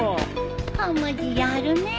はまじやるねえ。